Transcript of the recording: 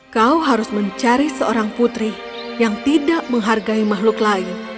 kau harus mencari seorang putri yang tidak menghargai makhluk lain